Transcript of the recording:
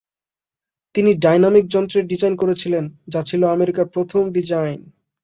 তিনি ডাইনামিক যন্ত্রের ডিজাইন করেছিলেন যা ছিল আমেরিকার প্রথম ডিজাইন।